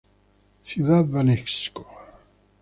Ciudad Banesco.